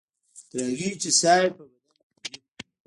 تر هغې چې ساه یې په بدن کې وي.